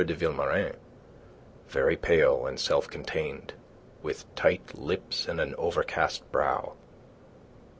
de Vilmorin, very pale and self contained, with tight lips and an overcast brow.